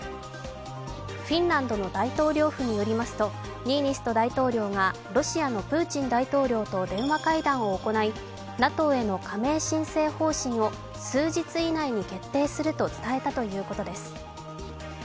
フィンランドの大統領府によりますと、ニーニスト大統領がロシアのプーチン大統領と電話会談を行いＮＡＴＯへの加盟申請方針を数日以内に決定すると伝えたということです。